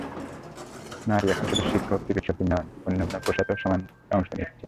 নারী এখন শুধু শিক্ষক-চিকিৎসকই নন, অন্য পেশাতেও তাঁরা সমানে অংশ নিচ্ছেন।